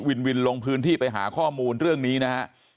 วินวินลงพื้นที่ไปหาข้อมูลเรื่องนี้นะฮะ